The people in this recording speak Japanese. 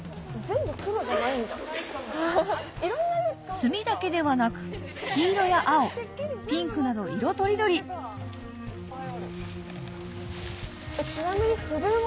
墨だけではなく黄色や青ピンクなど色とりどりちなみに。